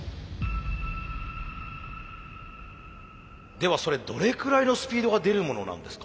ではそれどれくらいのスピードが出るものなんですか？